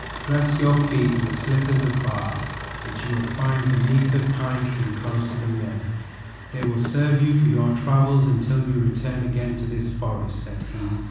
"Dress your feet in the slippers of bark which you will find beneath a pine tree close to the mill. They will serve you for your travels until you return again to this forest," said he.